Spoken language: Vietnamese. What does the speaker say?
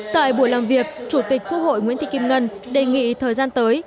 tại buổi làm việc chủ tịch quốc hội nguyễn thị kim ngân đề nghị thời gian tới